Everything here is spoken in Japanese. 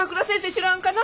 知らんかな？